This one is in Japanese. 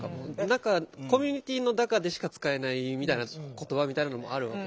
コミュニティーの中でしか使えないみたいな言葉みたいなのもある。